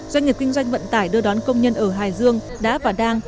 doanh nghiệp kinh doanh vận tải đưa đón công nhân ở hải dương đã và đang